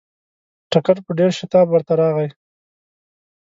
ټکر په ډېر شتاب ورته راغی.